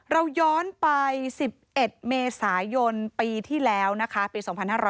เราย้อนไป๑๑เมษายนปีที่แล้วนะคะปี๒๕๕๙